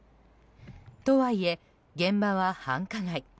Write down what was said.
とはいえ、現場は繁華街。